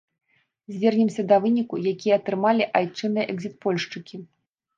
Звернемся да выніку, які атрымалі айчынныя экзітпольшчыкі.